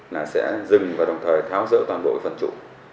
là sẽ dừng và đồng thời thao dỡ toàn bộ phần chủ